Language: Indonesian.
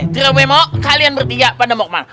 tirawe mo kalian bertiga pada mau kemana